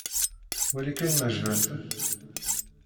Wali kan ma jbant-d.